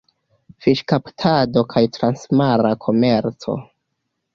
Fiŝkaptado kaj transmara komerco.